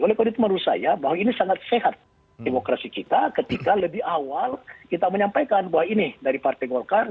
oleh karena itu menurut saya bahwa ini sangat sehat demokrasi kita ketika lebih awal kita menyampaikan bahwa ini dari partai golkar